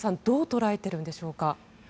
どう捉えているんでしょうか。